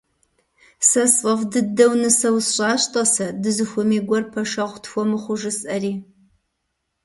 Сэ сфӏэфӏ дыдэу нысэ усщӏащ, тӏасэ, дызыхуэмей гуэр пэшэгъу тхуэмыхъуу жысӏэри.